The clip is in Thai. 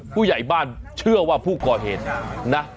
ผู้ใหญ่บ้านเชื่อว่าผู้ก่อเหตุนะ